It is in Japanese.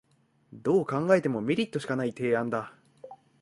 どう考えてもメリットしかない提案だ